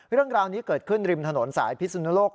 เรื่องราวนี้เกิดขึ้นริมถนนสายพิสุนุโลก